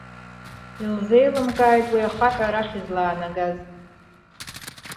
Илзеилымкааит уи ахаҳә арахь излаанагаз.